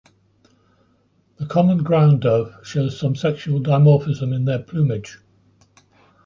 The common ground dove shows some sexual dimorphism in their plumage.